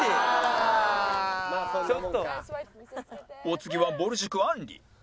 お次はぼる塾あんり